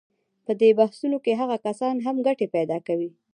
په دې بحثونو کې هغه کسان هم ګټې پیدا کوي.